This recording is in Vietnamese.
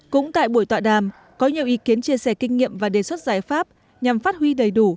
cũng tại buổi tọa đàm có nhiều ý kiến chia sẻ kinh nghiệm và đề xuất giải pháp nhằm phát huy đầy đủ